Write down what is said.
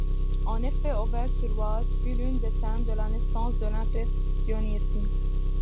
En effet, Auvers-sur-Oise fut l'une des scènees de la naissance de l’Impressionnisme.